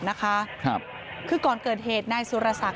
นะคะครับคือก่อนเกิดเหตุนายสุรษักร์